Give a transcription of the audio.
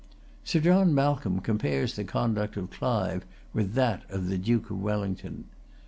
Sir John Malcolm compares the conduct of Clive with that of the Duke of Wellington.